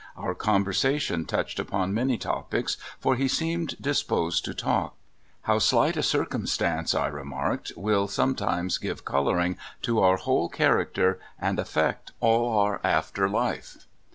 Our conversation touched upon many topics, for he seemed disposed to talk. "How slight a circumstance," I remarked, "will soujctimes give coloring to our whole character, and affect all our after life!"